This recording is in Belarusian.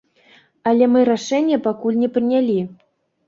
Але мы рашэнне пакуль не прынялі.